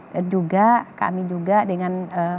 dan juga kami dengan